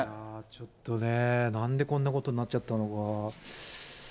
ちょっとね、なんでこんなことになっちゃったのか。